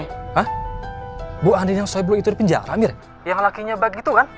hah bu andin yang soeblok itu di pinjara mir yang lakinya baik gitu kan